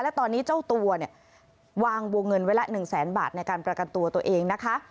และตอนนี้เจ้าตัวเนี่ยวางวงเงินไว้ละ๑แสนบาทในการประกันตัวตัวเองนะคะ